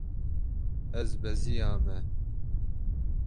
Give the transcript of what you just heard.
Ez beziyame.